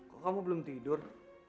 kok kamu belum tidur